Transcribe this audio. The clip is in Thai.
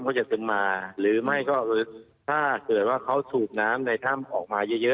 เขาจะซึมมาหรือไม่ก็ถ้าเกิดว่าเขาสูบน้ำในถ้ำออกมาเยอะ